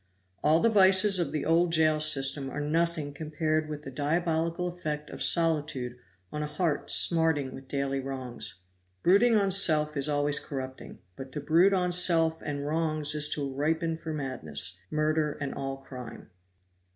All the vices of the old jail system are nothing compared with the diabolical effect of solitude on a heart smarting with daily wrongs. Brooding on self is always corrupting; but to brood on self and wrongs is to ripen for madness, murder and all crime.